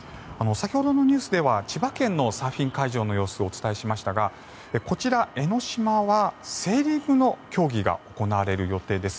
先ほどのニュースでは千葉県のサーフィン会場の様子をお伝えしましたがこちら、江の島はセーリングの競技が行われる予定です。